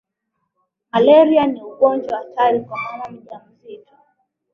malaria ni ugonjwa hatari kwa mama mjawazito